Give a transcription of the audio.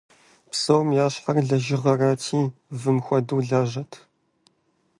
Псом ящхьэр лэжьыгъэрати, вым хуэдэу лажьэрт.